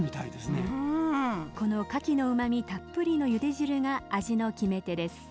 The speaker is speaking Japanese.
このかきのうまみたっぷりのゆで汁が味の決め手です。